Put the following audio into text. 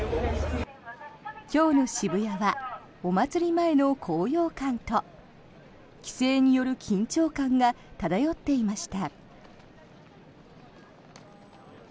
今日の渋谷はお祭り前の高揚感と規制による緊張感が漂っていました。